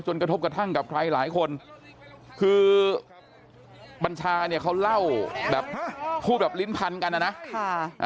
กระทบกระทั่งกับใครหลายคนคือบัญชาเนี่ยเขาเล่าแบบพูดแบบลิ้นพันกันนะนะ